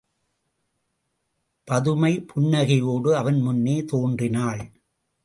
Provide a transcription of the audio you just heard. பதுமை புன்னகையோடு அவன் முன்னே தோன்றினாள்.